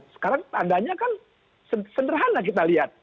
sekarang tandanya kan sederhana kita lihat